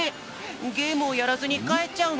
ゲームをやらずにかえっちゃうの？